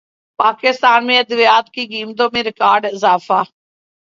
پاکستان میں ادویات کی قیمتوں میں ریکارڈ اضافہ